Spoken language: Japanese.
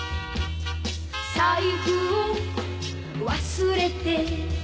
「財布を忘れて」